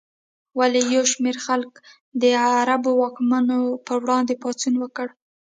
ولې یو شمېر خلکو د عربو واکمنانو پر وړاندې پاڅون وکړ؟